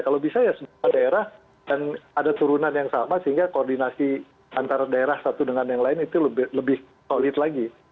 kalau bisa ya semua daerah dan ada turunan yang sama sehingga koordinasi antara daerah satu dengan yang lain itu lebih solid lagi